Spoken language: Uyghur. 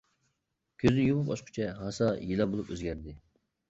كۆزنى يۇمۇپ ئاچقۇچە ھاسا يىلان بولۇپ ئۆزگەردى.